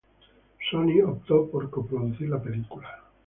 Sony optó por coproducir la película.